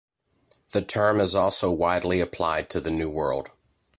The term is also widely applied to the New World.